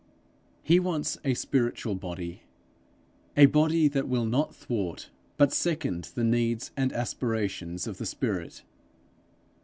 He wants a spiritual body a body that will not thwart but second the needs and aspirations of the spirit.